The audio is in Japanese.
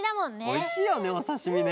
おいしいよねおさしみね。